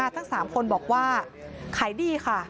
ทั้ง๓คนบอกว่าขายดีค่ะ